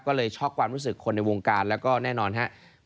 ก็เลยช็อกความรู้สึกคนในวงการแล้วก็แน่นอนครับ